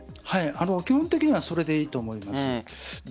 基本的にはそれでいいと思います。